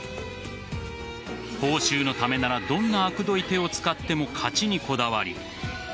報酬のためならどんなあくどい手を使っても勝ちにこだわる。